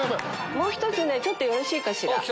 もう１つねちょっとよろしいかしら。